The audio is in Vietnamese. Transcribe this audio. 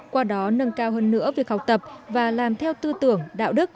qua đó nâng cao hơn nữa việc học tập và làm theo tư tưởng đạo đức